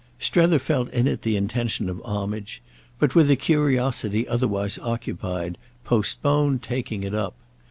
Strether felt in it the intention of homage, but, with a curiosity otherwise occupied, postponed taking it up.